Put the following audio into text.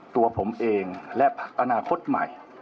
ตัวผมเองและพักอนาคตใหม่